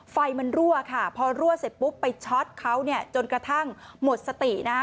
ไฟมันรั่วค่ะพอรั่วเสร็จปุ๊บไปช็อตเขาเนี่ยจนกระทั่งหมดสตินะคะ